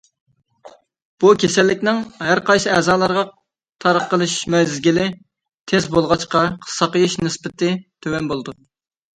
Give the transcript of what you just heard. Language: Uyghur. بۇ كېسەللىكنىڭ ھەر قايسى ئەزالارغا تارقىلىش مەزگىلى تېز بولغاچقا، ساقىيىش نىسبىتى تۆۋەن بولىدۇ.